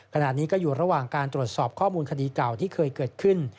ขณะนี้ก็อยู่ระหว่างการตรวจสอบข้อมูลคดีเก่าที่เคยเกิดขึ้น